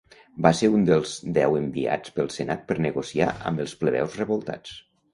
Va ser un dels deu enviats pel senat per negociar amb els plebeus revoltats.